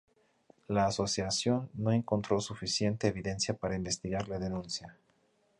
La asociación no encontró suficiente evidencia para investigar la denuncia.